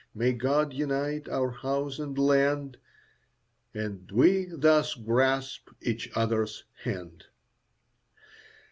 May God unite our house and land, As we thus grasp each other's hand.